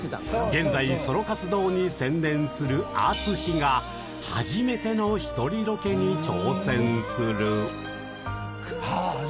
現在、ソロ活動に専念するＡＴＳＵＳＨＩが初めての一人ロケに挑戦する。